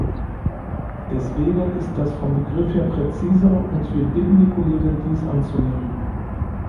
Deswegen ist das vom Begriff her präziser, und wir bitten die Kollegen, dies anzunehmen.